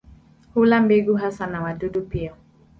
Hula mbegu hasa na wadudu pia.